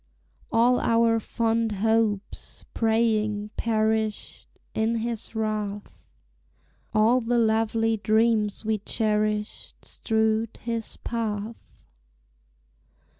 All our fond hopes, praying, perished In his wrath, All the lovely dreams we cherished Strewed his path.